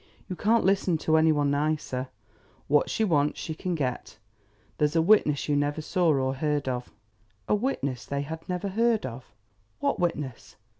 You can't listen to any one nicer. What she wants she can get. There's a witness you never saw or heard of. A witness they had never heard of! What witness?